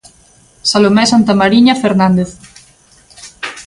Salomé Santamariña Fernández.